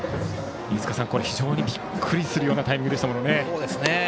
これは非常にびっくりするようなタイミングでしたね。